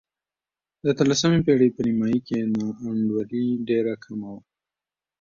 د اتلسمې پېړۍ په نیمايي کې نا انډولي ډېره کمه وه.